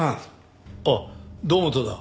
ああ堂本だ。